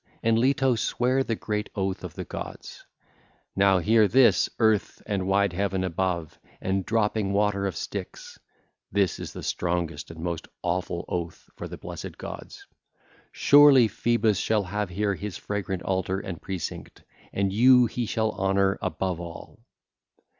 And Leto sware the great oath of the gods: 'Now hear this, Earth and wide Heaven above, and dropping water of Styx (this is the strongest and most awful oath for the blessed gods), surely Phoebus shall have here his fragrant altar and precinct, and you he shall honour above all.' (ll.